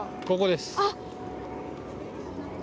ここですか。